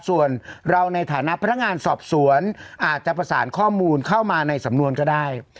ส่วนเราในฐานะพนักงานสอบสวนอาจจะประสานข้อมูลเข้ามาในสำนวนก็ได้